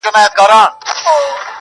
دا چا ويل چي له هيواده سره شپې نه كوم~